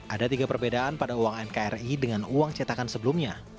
ada tiga perbedaan pada uang nkri dengan uang cetakan sebelumnya